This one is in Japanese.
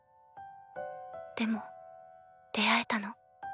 でも出会えたの。